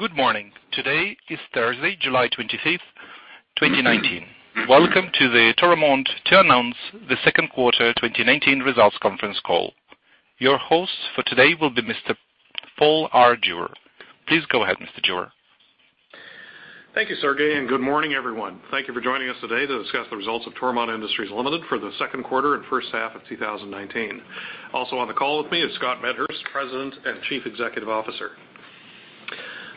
Good morning. Today is Thursday, July 25th, 2019. Welcome to the Toromont to announce the second quarter 2019 results conference call. Your host for today will be Mr. Paul R. Jewer. Please go ahead, Mr. Jewer. Thank you, Sergei. Good morning, everyone. Thank you for joining us today to discuss the results of Toromont Industries Limited for the second quarter and first half of 2019. Also on the call with me is Scott Medhurst, President and Chief Executive Officer.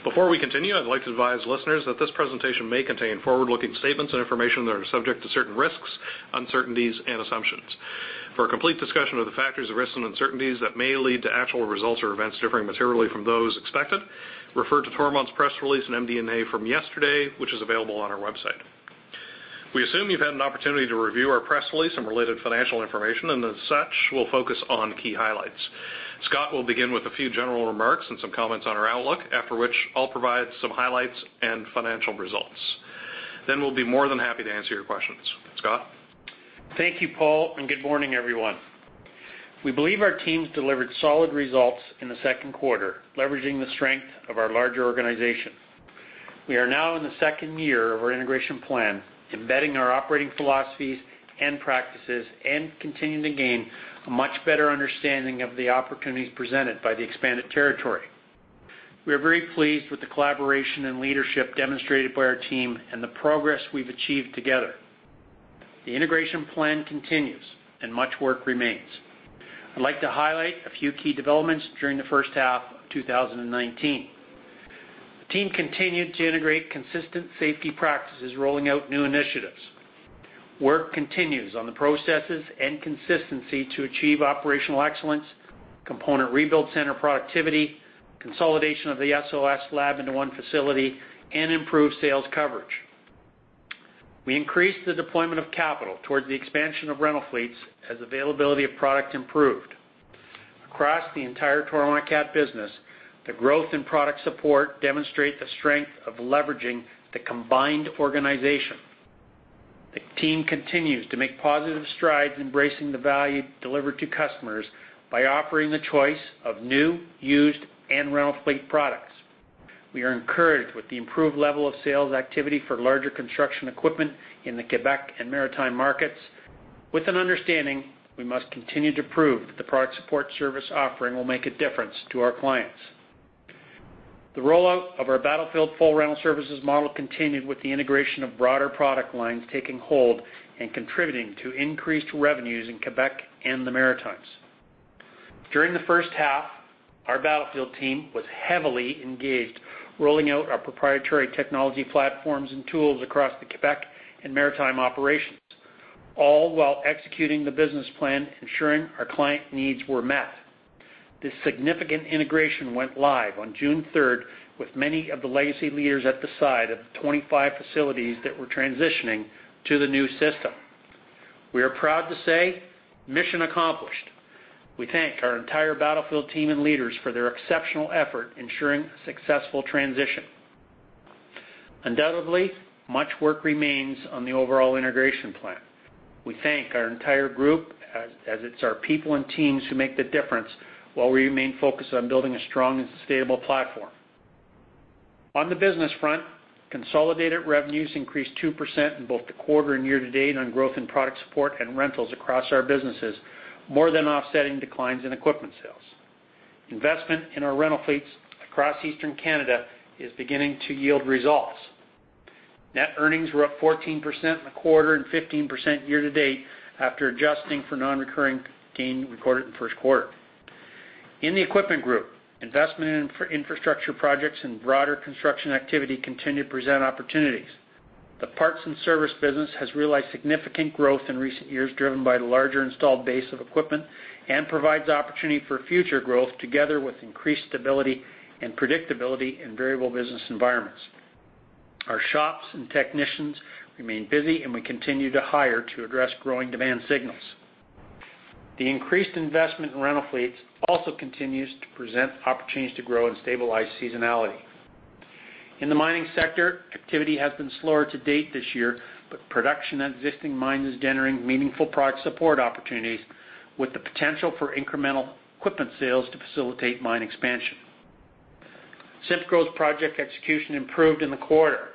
Before we continue, I'd like to advise listeners that this presentation may contain forward-looking statements and information that are subject to certain risks, uncertainties, and assumptions. For a complete discussion of the factors of risks and uncertainties that may lead to actual results or events differing materially from those expected, refer to Toromont's press release in MD&A from yesterday, which is available on our website. We assume you've had an opportunity to review our press release and related financial information. As such, we'll focus on key highlights. Scott will begin with a few general remarks and some comments on our outlook, after which I'll provide some highlights and financial results. We'll be more than happy to answer your questions. Scott? Thank you, Paul, and good morning, everyone. We believe our teams delivered solid results in the second quarter, leveraging the strength of our larger organization. We are now in the second year of our integration plan, embedding our operating philosophies and practices, and continuing to gain a much better understanding of the opportunities presented by the expanded territory. We are very pleased with the collaboration and leadership demonstrated by our team and the progress we've achieved together. The integration plan continues, and much work remains. I'd like to highlight a few key developments during the first half of 2019. The team continued to integrate consistent safety practices, rolling out new initiatives. Work continues on the processes and consistency to achieve operational excellence, component rebuild center productivity, consolidation of the SOS Lab into one facility, and improved sales coverage. We increased the deployment of capital towards the expansion of rental fleets as availability of product improved. Across the entire Toromont Cat business, the growth in product support demonstrate the strength of leveraging the combined organization. The team continues to make positive strides embracing the value delivered to customers by offering the choice of new, used, and rental fleet products. We are encouraged with the improved level of sales activity for larger construction equipment in the Quebec and Maritime markets with an understanding we must continue to prove that the product support service offering will make a difference to our clients. The rollout of our Battlefield full rental services model continued with the integration of broader product lines taking hold and contributing to increased revenues in Quebec and the Maritimes. During the first half, our Battlefield team was heavily engaged rolling out our proprietary technology platforms and tools across the Quebec and Maritime operations, all while executing the business plan, ensuring our client needs were met. This significant integration went live on June 3rd with many of the legacy leaders at the side of the 25 facilities that were transitioning to the new system. We are proud to say, mission accomplished. We thank our entire Battlefield team and leaders for their exceptional effort ensuring successful transition. Undoubtedly, much work remains on the overall integration plan. We thank our entire group, as it's our people and teams who make the difference while we remain focused on building a strong and sustainable platform. On the business front, consolidated revenues increased 2% in both the quarter and year to date on growth in product support and rentals across our businesses, more than offsetting declines in equipment sales. Investment in our rental fleets across Eastern Canada is beginning to yield results. Net earnings were up 14% in the quarter and 15% year to date after adjusting for non-recurring gain recorded in the first quarter. In the Equipment Group, investment in infrastructure projects and broader construction activity continue to present opportunities. The parts and service business has realized significant growth in recent years, driven by the larger installed base of equipment and provides opportunity for future growth together with increased stability and predictability in variable business environments. We continue to hire to address growing demand signals. The increased investment in rental fleets also continues to present opportunities to grow and stabilize seasonality. In the mining sector, activity has been slower to date this year. Production at existing mines is generating meaningful product support opportunities with the potential for incremental equipment sales to facilitate mine expansion. CIMCO's project execution improved in the quarter.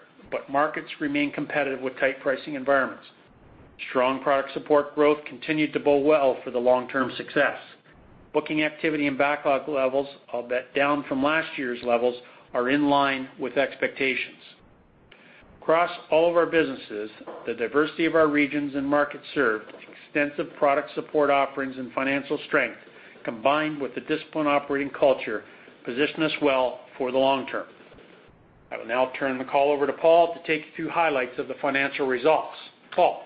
Markets remain competitive with tight pricing environments. Strong product support growth continued to bode well for the long-term success. Booking activity and backlog levels, albeit down from last year's levels, are in line with expectations. Across all of our businesses, the diversity of our regions and markets served, extensive product support offerings and financial strength, combined with the disciplined operating culture, position us well for the long term. I will now turn the call over to Paul to take you through highlights of the financial results. Paul.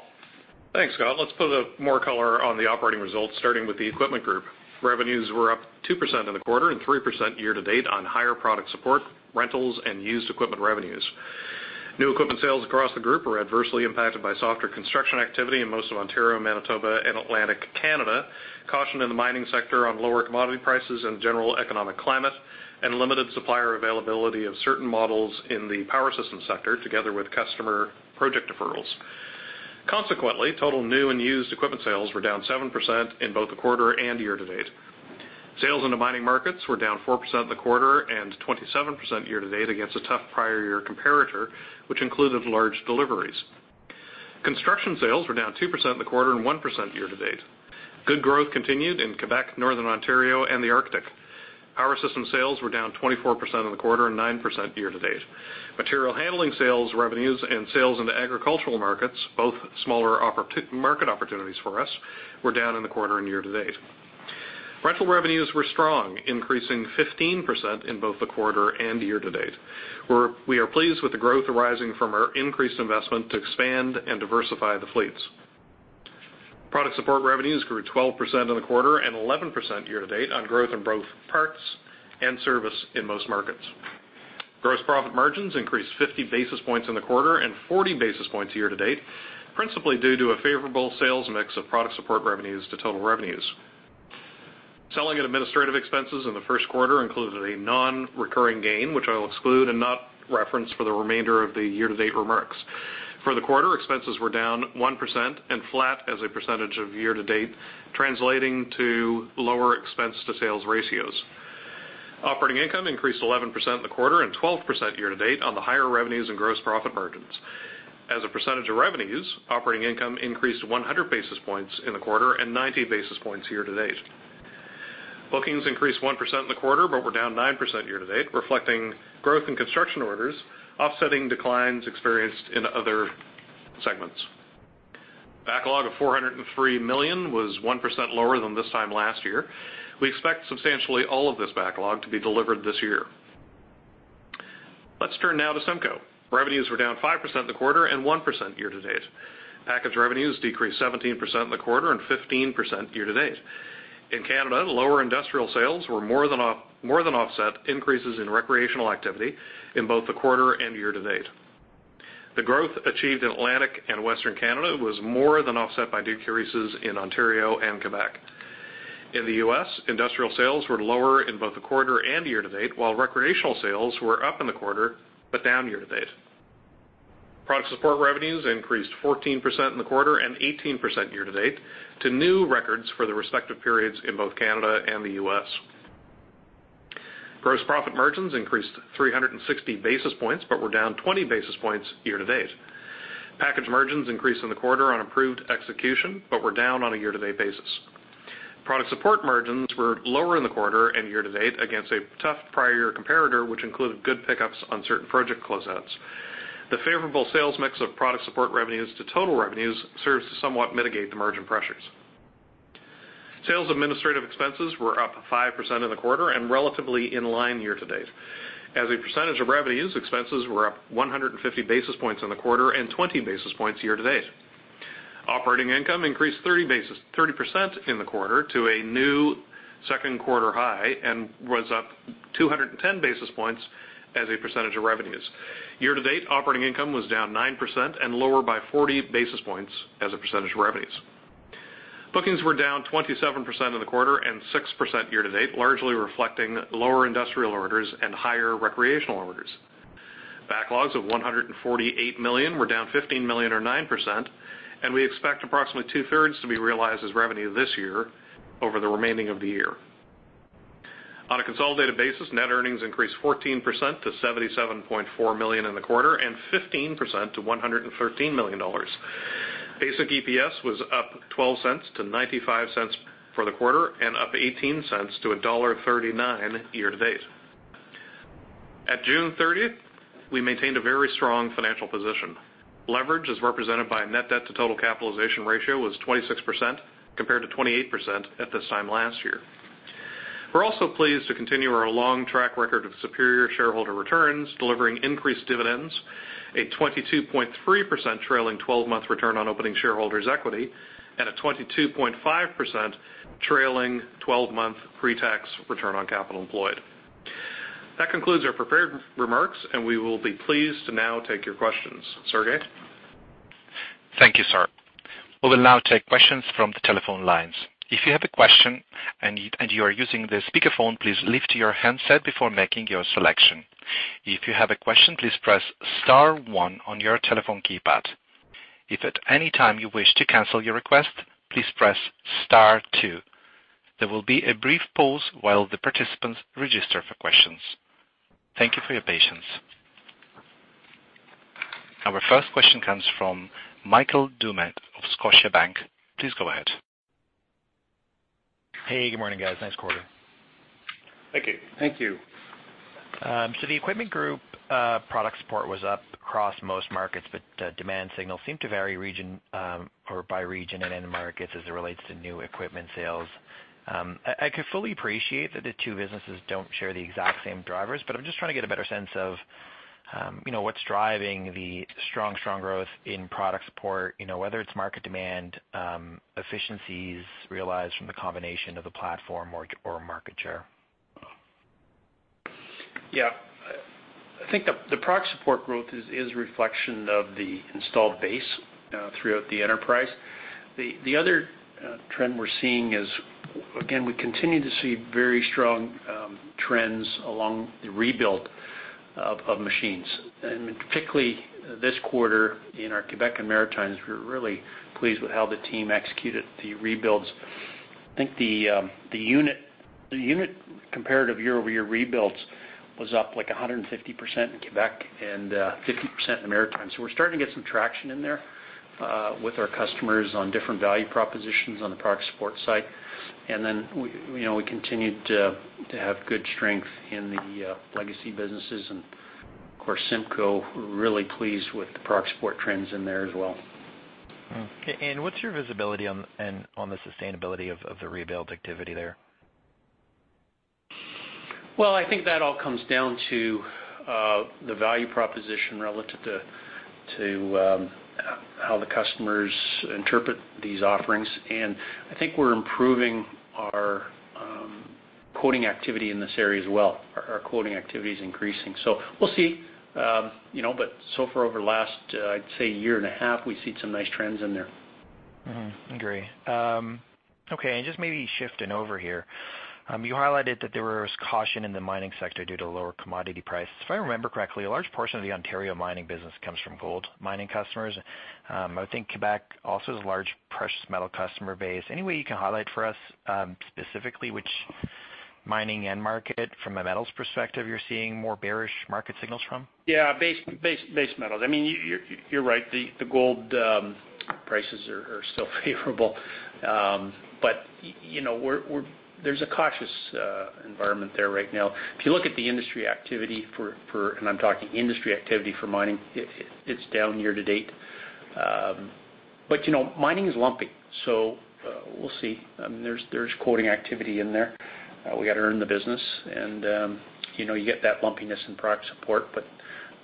Thanks, Scott. Let's put more color on the operating results, starting with the Equipment Group. Revenues were up 2% in the quarter and 3% year to date on higher product support, rentals, and used equipment revenues. New equipment sales across the group were adversely impacted by softer construction activity in most of Ontario, Manitoba, and Atlantic Canada, caution in the mining sector on lower commodity prices and general economic climate, and limited supplier availability of certain models in the power systems sector, together with customer project deferrals. Consequently, total new and used equipment sales were down 7% in both the quarter and year to date. Sales in the mining markets were down 4% in the quarter and 27% year to date against a tough prior year comparator, which included large deliveries. Construction sales were down 2% in the quarter and 1% year to date. Good growth continued in Quebec, Northern Ontario, and the Arctic. Power system sales were down 24% in the quarter and 9% year to date. Material handling sales revenues and sales in the agricultural markets, both smaller market opportunities for us, were down in the quarter and year to date. Rental revenues were strong, increasing 15% in both the quarter and year to date. We are pleased with the growth arising from our increased investment to expand and diversify the fleets. Product support revenues grew 12% in the quarter and 11% year to date on growth in both parts and service in most markets. Gross profit margins increased 50 basis points in the quarter and 40 basis points year to date, principally due to a favorable sales mix of product support revenues to total revenues. Selling and administrative expenses in the first quarter included a non-recurring gain, which I will exclude and not reference for the remainder of the year-to-date remarks. For the quarter, expenses were down 1% and flat as a percentage of year-to-date, translating to lower expense to sales ratios. Operating income increased 11% in the quarter and 12% year-to-date on the higher revenues and gross profit margins. As a percentage of revenues, operating income increased 100 basis points in the quarter and 90 basis points year-to-date. Bookings increased 1% in the quarter but were down 9% year-to-date, reflecting growth in construction orders offsetting declines experienced in other segments. Backlog of 403 million was 1% lower than this time last year. We expect substantially all of this backlog to be delivered this year. Let's turn now to CIMCO. Revenues were down 5% in the quarter and 1% year-to-date. Package revenues decreased 17% in the quarter and 15% year-to-date. In Canada, lower industrial sales were more than offset increases in recreational activity in both the quarter and year-to-date. The growth achieved in Atlantic and Western Canada was more than offset by decreases in Ontario and Quebec. In the U.S., industrial sales were lower in both the quarter and year-to-date, while recreational sales were up in the quarter but down year-to-date. Product support revenues increased 14% in the quarter and 18% year-to-date to new records for the respective periods in both Canada and the U.S. Gross profit margins increased 360 basis points but were down 20 basis points year-to-date. Package margins increased in the quarter on improved execution but were down on a year-to-date basis. Product support margins were lower in the quarter and year-to-date against a tough prior year comparator, which included good pickups on certain project closeouts. The favorable sales mix of product support revenues to total revenues serves to somewhat mitigate the margin pressures. Sales administrative expenses were up 5% in the quarter and relatively in line year-to-date. As a percentage of revenues, expenses were up 150 basis points in the quarter and 20 basis points year-to-date. Operating income increased 30% in the quarter to a new second quarter high and was up 210 basis points as a percentage of revenues. Year-to-date, operating income was down 9% and lower by 40 basis points as a percentage of revenues. Bookings were down 27% in the quarter and 6% year-to-date, largely reflecting lower industrial orders and higher recreational orders. Backlogs of 148 million were down 15 million or 9%, we expect approximately two-thirds to be realized as revenue this year over the remaining of the year. On a consolidated basis, net earnings increased 14% to CAD 77.4 million in the quarter and 15% to CAD 113 million. Basic EPS was up 0.12 to 0.95 for the quarter and up 0.18 to dollar 1.39 year to date. At June 30th, we maintained a very strong financial position. Leverage, as represented by net debt to total capitalization ratio, was 26% compared to 28% at this time last year. We're also pleased to continue our long track record of superior shareholder returns, delivering increased dividends, a 22.3% trailing 12-month return on opening shareholders' equity, and a 22.5% trailing 12-month pre-tax return on capital employed. That concludes our prepared remarks, we will be pleased to now take your questions. Sergey? Thank you, sir. We will now take questions from the telephone lines. If you have a question and you are using the speakerphone, please lift your handset before making your selection. If you have a question, please press star 1 on your telephone keypad. If at any time you wish to cancel your request, please press star 2. There will be a brief pause while the participants register for questions. Thank you for your patience. Our first question comes from Michael Doumet of Scotiabank. Please go ahead. Thank you. Thank you. The Equipment Group, product support was up across most markets, but demand signals seem to vary by region and end markets as it relates to new equipment sales. I could fully appreciate that the two businesses don't share the exact same drivers, but I'm just trying to get a better sense of what's driving the strong growth in product support, whether it's market demand, efficiencies realized from the combination of the platform or market share. Yeah. I think the product support growth is a reflection of the installed base throughout the enterprise. The other trend we're seeing is, again, we continue to see very strong trends along the rebuild of machines. Particularly this quarter in our Quebec and Maritimes, we're really pleased with how the team executed the rebuilds. I think the unit comparative year-over-year rebuilds was up 150% in Quebec and 50% in the Maritimes. We're starting to get some traction in there with our customers on different value propositions on the product support side. We continued to have good strength in the legacy businesses and, of course, CIMCO, really pleased with the product support trends in there as well. Okay. What's your visibility on the sustainability of the rebuild activity there? Well, I think that all comes down to the value proposition relative to how the customers interpret these offerings. I think we're improving our quoting activity in this area as well. Our quoting activity is increasing, so we'll see. So far over the last, I'd say a year and a half, we've seen some nice trends in there. Agree. Okay, just maybe shifting over here. You highlighted that there was caution in the mining sector due to lower commodity prices. If I remember correctly, a large portion of the Ontario mining business comes from gold mining customers. I think Quebec also has a large precious metal customer base. Any way you can highlight for us specifically which mining end market, from a metals perspective, you're seeing more bearish market signals from? Yeah. Base metals. You're right, the gold prices are still favorable. There's a cautious environment there right now. If you look at the industry activity for, and I'm talking industry activity for mining, it's down year-to-date. Mining is lumpy, so we'll see. There's quoting activity in there. We got to earn the business, and you get that lumpiness in product support, but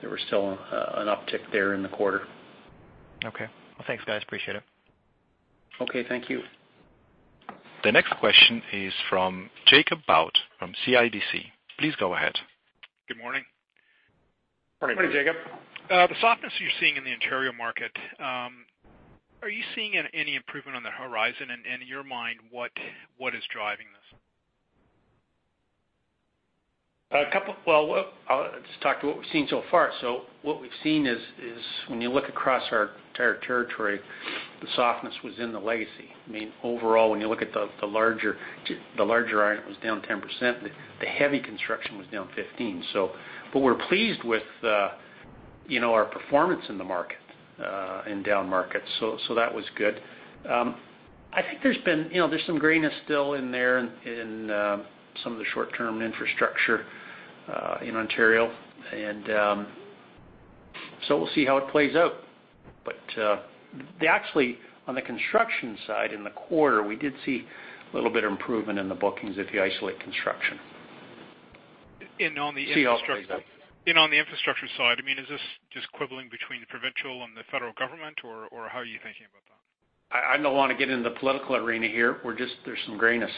there was still an uptick there in the quarter. Okay. Well, thanks guys, appreciate it. Okay, thank you. The next question is from Jacob Bout from CIBC. Please go ahead. Good morning. Morning, Jacob. The softness you're seeing in the Ontario market, are you seeing any improvement on the horizon? In your mind, what is driving this? I'll just talk to what we've seen so far. What we've seen is when you look across our entire territory, the softness was in the legacy. Overall, when you look at the larger item, it was down 10%, the heavy construction was down 15%, but we're pleased with our performance in the market, in down markets. That was good. I think there's some greenness still in there in some of the short term infrastructure in Ontario, we'll see how it plays out. Actually, on the construction side in the quarter, we did see a little bit of improvement in the bookings if you isolate construction. We'll see how it plays out. On the infrastructure side, is this just quibbling between the provincial and the federal government, or how are you thinking about that? I don't want to get in the political arena here. There's some grayness.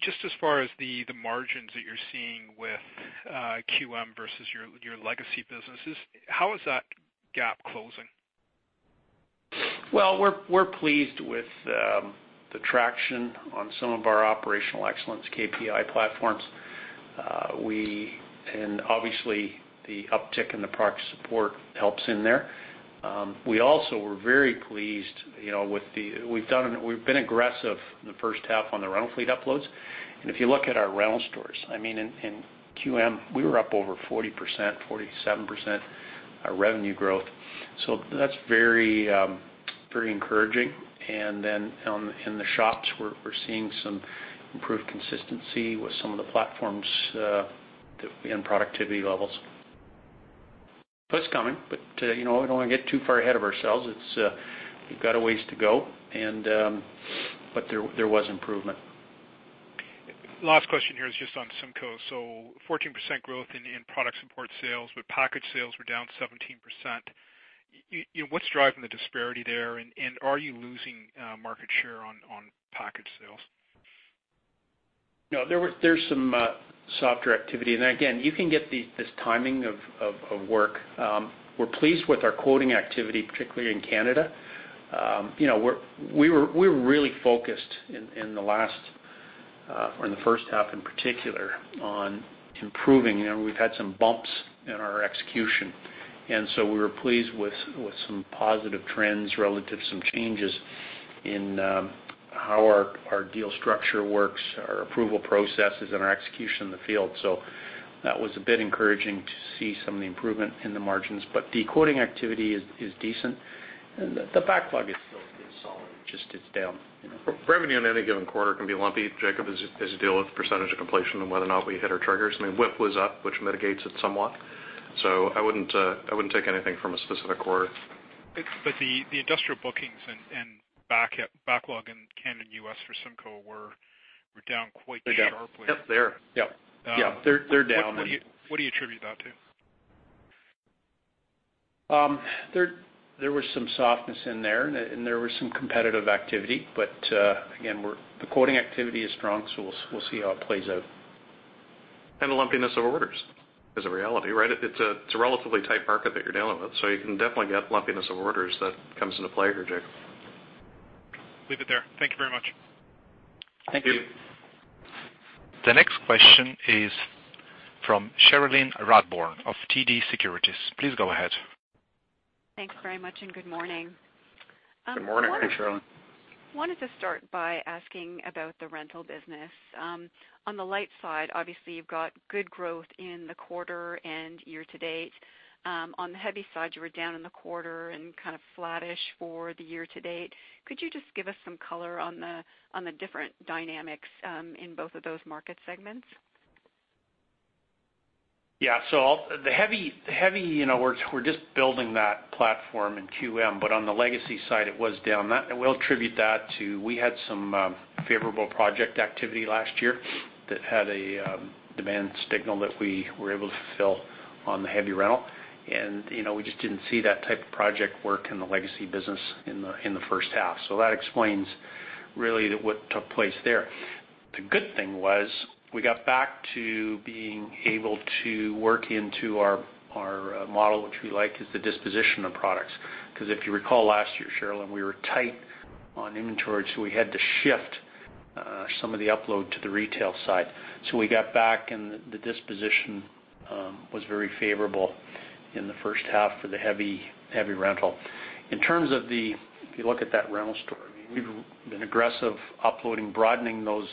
Just as far as the margins that you're seeing with QM versus your legacy businesses, how is that gap closing? Well, we're pleased with the traction on some of our operational excellence KPI platforms. Obviously the uptick in the product support helps in there. We've been aggressive in the first half on the rental fleet uploads. If you look at our rental stores, in QM, we were up over 40%, 47% revenue growth. That's very encouraging. In the shops, we're seeing some improved consistency with some of the platforms and productivity levels. It's coming, we don't want to get too far ahead of ourselves. We've got a ways to go. There was improvement. Last question here is just on CIMCO. 14% growth in product support sales, but package sales were down 17%. What's driving the disparity there, and are you losing market share on package sales? No, there's some softer activity there. Again, you can get this timing of work. We're pleased with our quoting activity, particularly in Canada. We were really focused in the last, or in the first half, in particular, on improving. We've had some bumps in our execution, and so we were pleased with some positive trends relative to some changes in how our deal structure works, our approval processes, and our execution in the field. That was a bit encouraging to see some of the improvement in the margins. The quoting activity is decent, and the backlog is still solid. It just is down. Revenue in any given quarter can be lumpy, Jacob, as you deal with percentage of completion and whether or not we hit our triggers. WIP was up, which mitigates it somewhat. I wouldn't take anything from a specific quarter. The industrial bookings and backlog in Canada and U.S. for CIMCO were down quite sharply. They're down. Yep. They're down. What do you attribute that to? There was some softness in there, and there was some competitive activity. Again, the quoting activity is strong, so we'll see how it plays out. The lumpiness of orders is a reality, right? It's a relatively tight market that you're dealing with, so you can definitely get lumpiness of orders that comes into play here, Jake. Leave it there. Thank you very much. Thank you. Thank you. The next question is from Cherilyn Radbourne of TD Securities. Please go ahead. Thanks very much, and good morning. Good morning. Hey, Cherilyn. Wanted to start by asking about the rental business. On the light side, obviously, you've got good growth in the quarter and year to date. On the heavy side, you were down in the quarter and kind of flattish for the year to date. Could you just give us some color on the different dynamics in both of those market segments? Yeah. The heavy, we're just building that platform in QM, but on the legacy side, it was down. We'll attribute that to, we had some favorable project activity last year that had a demand signal that we were able to fill on the heavy rental. We just didn't see that type of project work in the legacy business in the first half. That explains really what took place there. The good thing was we got back to being able to work into our model, which we like, is the disposition of products, because if you recall last year, Cherilyn, we were tight on inventory, so we had to shift some of the upload to the retail side. We got back, and the disposition was very favorable in the first half for the heavy rental. In terms of if you look at that rental story, we've been aggressive uploading, broadening those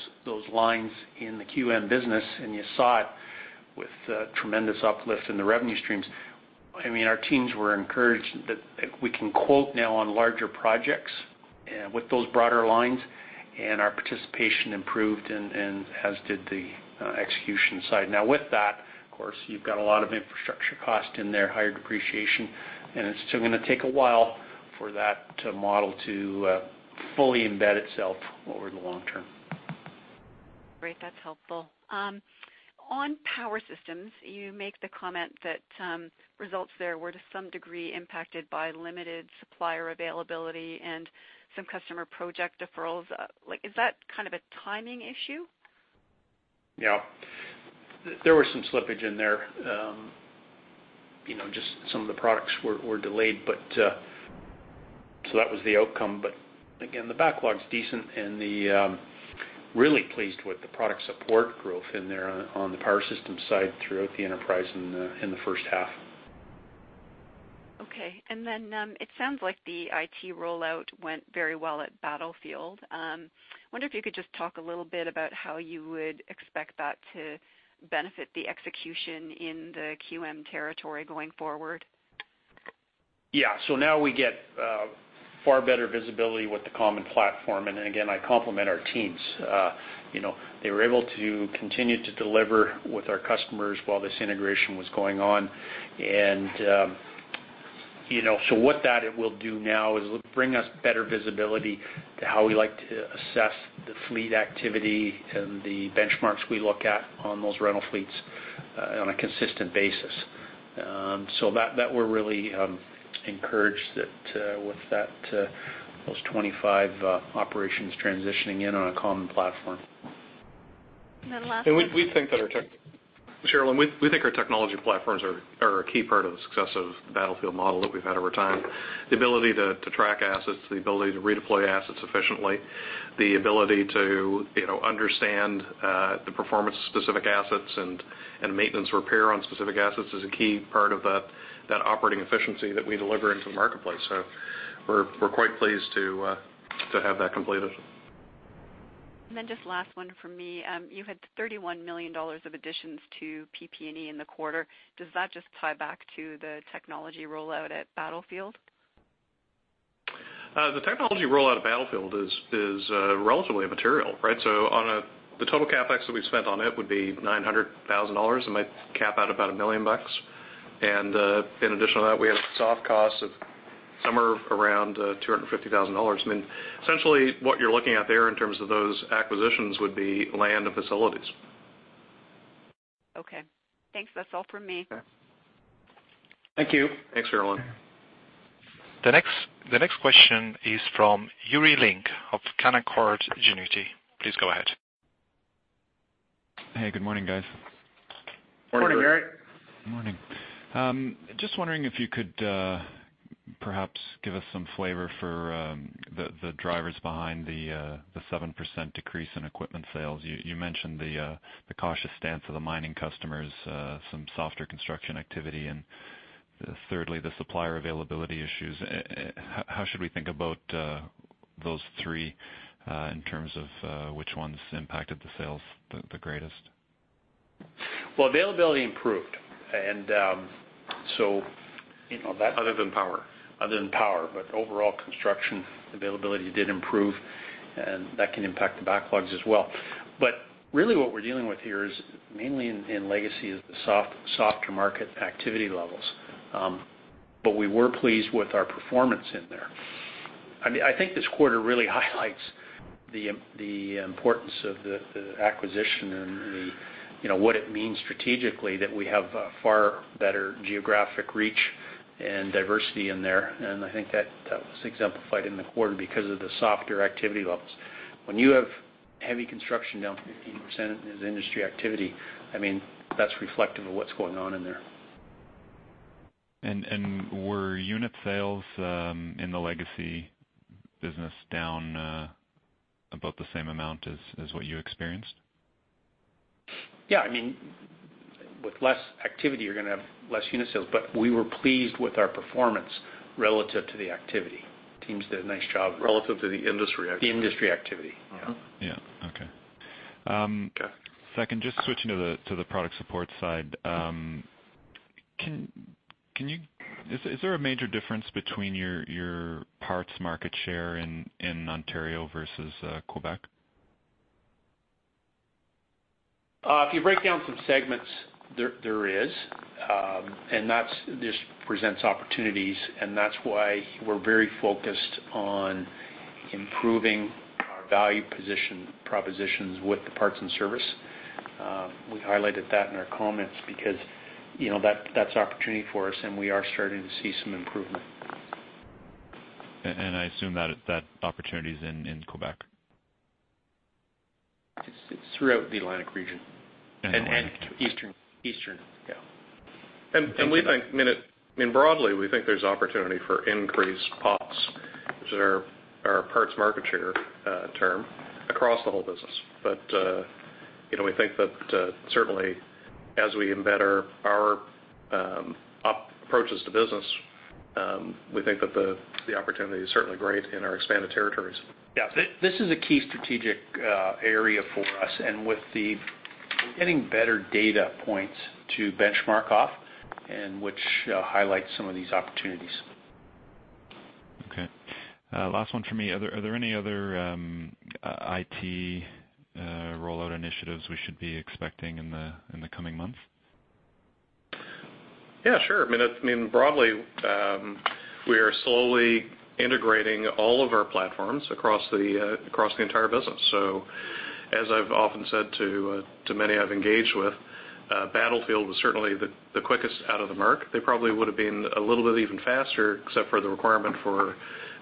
lines in the QM business, and you saw it with tremendous uplift in the revenue streams. Our teams were encouraged that we can quote now on larger projects with those broader lines, and our participation improved, and as did the execution side. With that, of course, you've got a lot of infrastructure cost in there, higher depreciation, and it's still going to take a while for that model to fully embed itself over the long term. Great. That's helpful. On power systems, you make the comment that results there were to some degree impacted by limited supplier availability and some customer project deferrals. Is that kind of a timing issue? Yeah. There was some slippage in there. Just some of the products were delayed, that was the outcome. Again, the backlog's decent and really pleased with the product support growth in there on the power systems side throughout the enterprise in the first half. Okay. Then it sounds like the IT rollout went very well at Battlefield. I wonder if you could just talk a little bit about how you would expect that to benefit the execution in the QM territory going forward. Yeah. Now we get far better visibility with the common platform. Again, I compliment our teams. They were able to continue to deliver with our customers while this integration was going on. What that will do now is bring us better visibility to how we like to assess the fleet activity and the benchmarks we look at on those rental fleets on a consistent basis. That we're really encouraged that with those 25 operations transitioning in on a common platform. last one. Cherilyn, we think our technology platforms are a key part of the success of the Battlefield model that we've had over time. The ability to track assets, the ability to redeploy assets efficiently, the ability to understand the performance specific assets, and maintenance repair on specific assets is a key part of that operating efficiency that we deliver into the marketplace. We're quite pleased to have that completed. Just last one from me. You had 31 million dollars of additions to PP&E in the quarter. Does that just tie back to the technology rollout at Battlefield? The technology rollout at Battlefield is relatively immaterial, right? The total CapEx that we've spent on it would be 900,000 dollars. It might cap out about 1 million bucks. In addition to that, we had a soft cost of somewhere around 250,000 dollars. Essentially, what you're looking at there in terms of those acquisitions would be land and facilities. Okay. Thanks. That's all from me. Thank you. Thanks, Cherilyn. The next question is from Yuri Lynk of Canaccord Genuity. Please go ahead. Hey, good morning, guys. Morning, Yuri. Morning. Morning. Just wondering if you could perhaps give us some flavor for the drivers behind the 7% decrease in equipment sales? You mentioned the cautious stance of the mining customers, some softer construction activity, and thirdly, the supplier availability issues. How should we think about those three in terms of which ones impacted the sales the greatest? Well, availability improved. Other than power. Overall construction availability did improve, and that can impact the backlogs as well. Really what we're dealing with here is mainly in legacy is the softer market activity levels. We were pleased with our performance in there. I think this quarter really highlights the importance of the acquisition and what it means strategically that we have a far better geographic reach and diversity in there. I think that was exemplified in the quarter because of the softer activity levels. When you have heavy construction down 15% in the industry activity, that's reflective of what's going on in there. Were unit sales in the legacy business down about the same amount as what you experienced? Yeah. With less activity, you're going to have less unit sales, but we were pleased with our performance relative to the activity. Teams did a nice job. Relative to the industry activity. The industry activity. Yeah. Yeah. Okay. Okay. Second, just switching to the product support side. Is there a major difference between your parts market share in Ontario versus Quebec? If you break down some segments, this presents opportunities. That's why we're very focused on improving our value propositions with the parts and service. We've highlighted that in our comments because that's an opportunity for us. We are starting to see some improvement. I assume that opportunity is in Quebec. It's throughout the Atlantic region. In the Atlantic. Eastern. Yeah. I mean, broadly, we think there's opportunity for increased POTS, which is our parts market share term, across the whole business. We think that certainly as we embed our approaches to business, we think that the opportunity is certainly great in our expanded territories. Yeah. This is a key strategic area for us, and with the getting better data points to benchmark off, and which highlights some of these opportunities. Okay. Last one from me. Are there any other IT rollout initiatives we should be expecting in the coming months? I mean, broadly, we are slowly integrating all of our platforms across the entire business. As I've often said to many I've engaged with, Battlefield was certainly the quickest out of the mark. They probably would have been a little bit even faster, except for the requirement for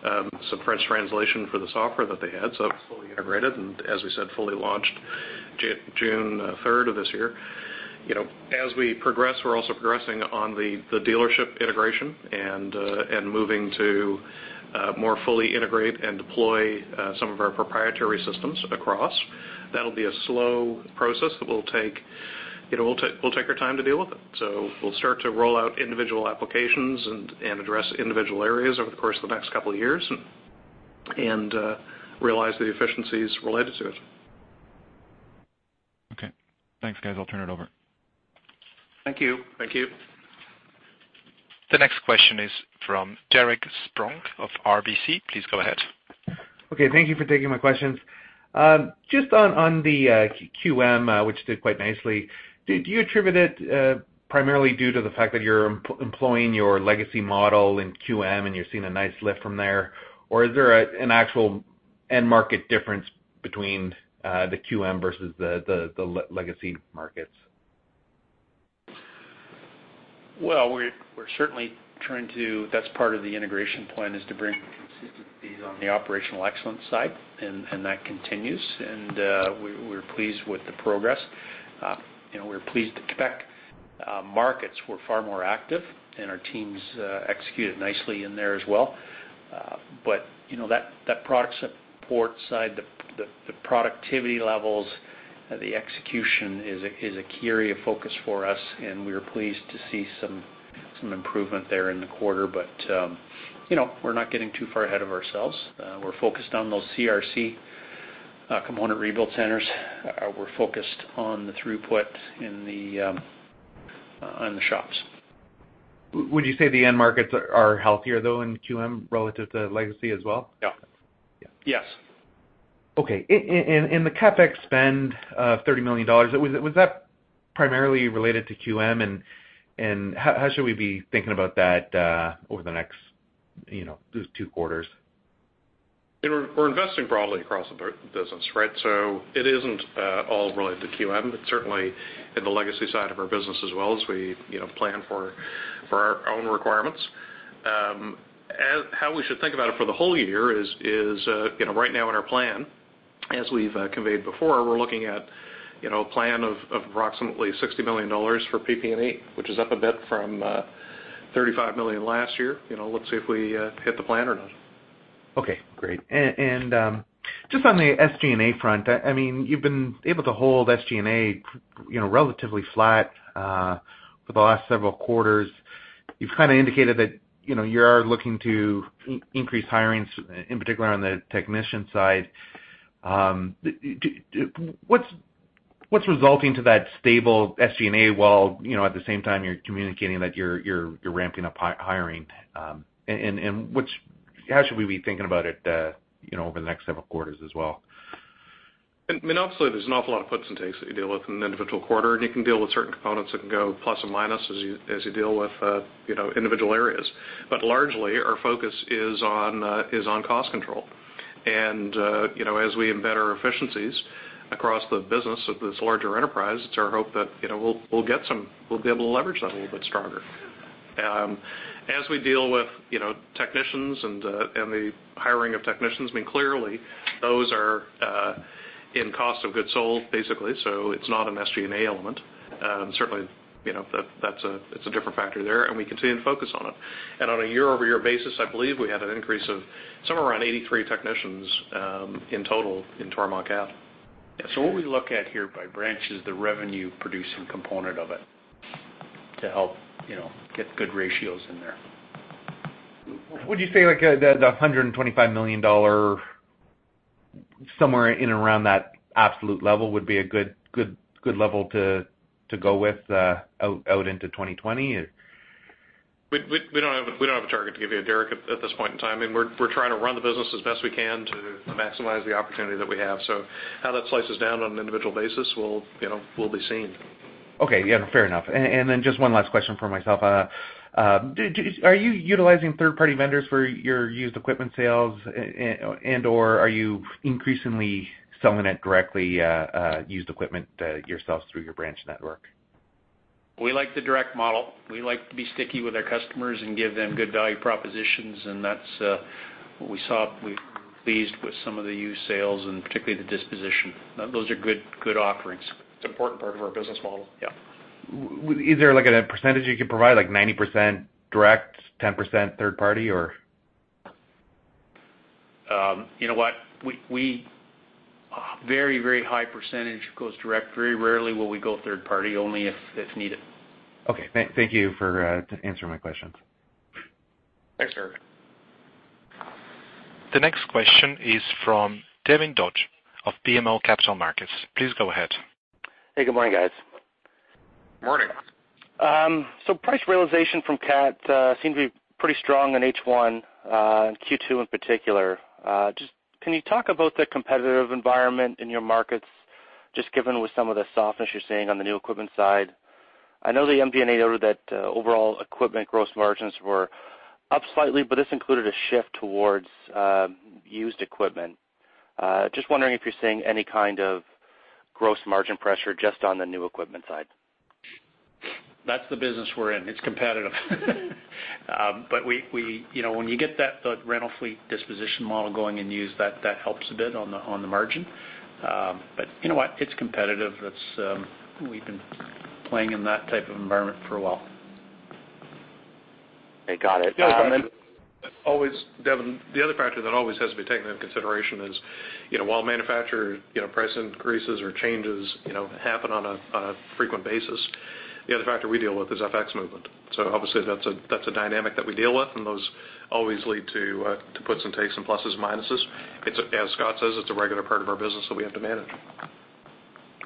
some French translation for the software that they had. It was fully integrated and, as we said, fully launched June 3rd of this year. As we progress, we're also progressing on the dealership integration and moving to more fully integrate and deploy some of our proprietary systems across. That'll be a slow process that will take our time to deal with it. We'll start to roll out individual applications and address individual areas over the course of the next couple of years, and realize the efficiencies related to it. Okay. Thanks, guys. I'll turn it over. Thank you. Thank you. The next question is from Derek Spronck of RBC. Please go ahead. Okay. Thank you for taking my questions. Just on the QM, which did quite nicely, do you attribute it primarily due to the fact that you're employing your legacy model in QM and you're seeing a nice lift from there, or is there an actual end market difference between the QM versus the legacy markets? Well, we're certainly trying to. That's part of the integration plan, is to bring consistency on the operational excellence side, and that continues, and we're pleased with the progress. We're pleased that Quebec markets were far more active, and our teams executed nicely in there as well. That product support side, the productivity levels, the execution is a key area of focus for us, and we are pleased to see some improvement there in the quarter. We're not getting too far ahead of ourselves. We're focused on those CRC, component rebuild centers. We're focused on the throughput in the shops. Would you say the end markets are healthier, though, in QM relative to legacy as well? Yeah. Yes. Okay. In the CapEx spend of 30 million dollars, was that primarily related to QM? How should we be thinking about that over the next two quarters? We're investing broadly across the business, right? It isn't all related to QM, but certainly in the legacy side of our business, as well as we plan for our own requirements. How we should think about it for the whole year is, right now in our plan, as we've conveyed before, we're looking at a plan of approximately 60 million dollars for PP&E, which is up a bit from 35 million last year. Let's see if we hit the plan or not. Okay, great. Just on the SG&A front, you've been able to hold SG&A relatively flat for the last several quarters. You've kind of indicated that you are looking to increase hirings, in particular on the technician side. What's resulting to that stable SG&A while at the same time you're communicating that you're ramping up hiring? How should we be thinking about it over the next several quarters as well? I mean, obviously, there's an awful lot of puts and takes that you deal with in an individual quarter, and you can deal with certain components that can go plus or minus as you deal with individual areas. Largely, our focus is on cost control. As we embed our efficiencies across the business of this larger enterprise, it's our hope that we'll be able to leverage that a little bit stronger. As we deal with technicians and the hiring of technicians, clearly, those are in cost of goods sold, basically. It's not an SG&A element. Certainly, it's a different factor there, and we continue to focus on it. On a year-over-year basis, I believe we had an increase of somewhere around 83 technicians in total in Toromont Cat. What we look at here by branch is the revenue producing component of it to help get good ratios in there. Would you say, like, the 125 million dollar, somewhere in and around that absolute level would be a good level to go with out into 2020? We don't have a target to give you, Derek, at this point in time. We're trying to run the business as best we can to maximize the opportunity that we have. How that slices down on an individual basis will be seen. Okay. Yeah, fair enough. Then just one last question from myself. Are you utilizing third-party vendors for your used equipment sales and/or are you increasingly selling it directly, used equipment, yourselves through your branch network? We like the direct model. We like to be sticky with our customers and give them good value propositions, and that's what we saw. We're pleased with some of the used sales and particularly the disposition. Those are good offerings. It's important part of our business model. Yeah. Is there a percentage you could provide, like 90% direct, 10% third party, or? You know what? Very high percentage goes direct. Very rarely will we go third party, only if needed. Okay. Thank you for answering my questions. Thanks, Derek. The next question is from Devin Dodge of BMO Capital Markets. Please go ahead. Hey, good morning, guys. Morning. Price realization from Cat seem to be pretty strong in H1, in Q2 in particular. Just can you talk about the competitive environment in your markets, just given with some of the softness you're seeing on the new equipment side? I know the MD&A noted that overall equipment gross margins were up slightly, but this included a shift towards used equipment. Just wondering if you're seeing any kind of gross margin pressure just on the new equipment side. That's the business we're in. It's competitive. When you get that rental fleet disposition model going in used, that helps a bit on the margin. You know what? It's competitive. We've been playing in that type of environment for a while. Okay, got it. Always, Devin, the other factor that always has to be taken into consideration is, while manufacturer price increases or changes happen on a frequent basis, the other factor we deal with is FX movement. Obviously, that's a dynamic that we deal with, and those always lead to puts and takes and pluses, minuses. As Scott says, it's a regular part of our business that we have to manage.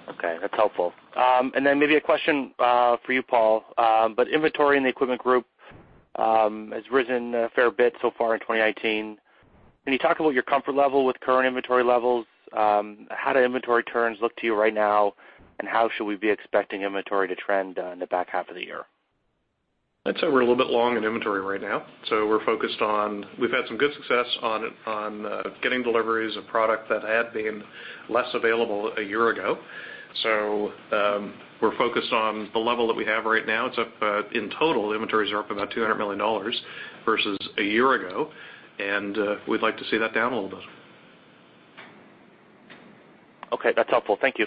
Okay, that's helpful. Then maybe a question for you, Paul. Inventory in the Equipment Group has risen a fair bit so far in 2018. Can you talk about your comfort level with current inventory levels? How do inventory turns look to you right now, and how should we be expecting inventory to trend in the back half of the year? I'd say we're a little bit long in inventory right now, so we're focused on, we've had some good success on getting deliveries of product that had been less available a year ago. We're focused on the level that we have right now. In total, inventories are up about 200 million dollars versus a year ago, and we'd like to see that down a little bit. Okay, that's helpful. Thank you.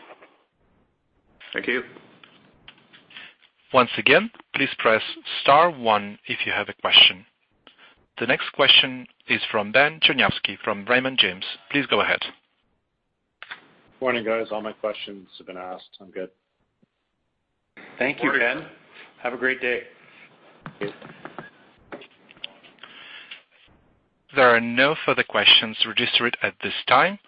Thank you. Once again, please press star one if you have a question. The next question is from Ben Cherniavsky from Raymond James. Please go ahead. Morning, guys. All my questions have been asked. I'm good. Thank you, Ben. Have a great day. Thank you. There are no further questions registered at this time.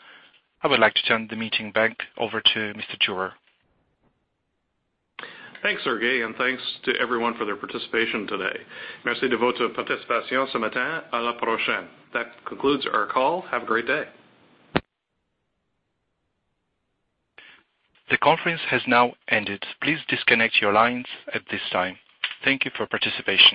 I would like to turn the meeting back over to Mr. Jewer. Thanks, Sergey, and thanks to everyone for their participation today. That concludes our call. Have a great day. The conference has now ended. Please disconnect your lines at this time. Thank you for participation.